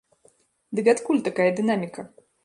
Дык адкуль такая дынаміка?